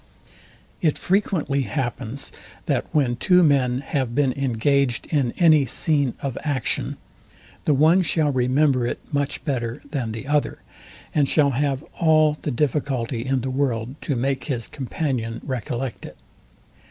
It frequently happens, that when two men have been engaged in any scene of action, the one shall remember it much better than the other, and shall have all the difficulty in the world to make his companion recollect it.